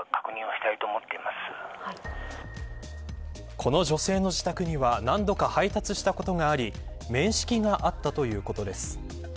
この女性の自宅には何度か配達したことがあり面識があったということです。